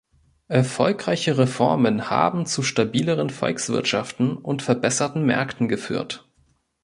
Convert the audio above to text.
Erfolgreiche Reformen haben zu stabileren Volkswirtschaften und verbesserten Märkten geführt.